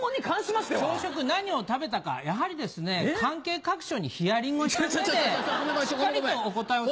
朝食何を食べたかやはりですね関係各所にヒアリングをした上でしっかりとお答えを。